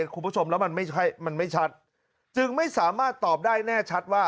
คุณผู้ชมแล้วมันไม่ใช่มันไม่ชัดจึงไม่สามารถตอบได้แน่ชัดว่า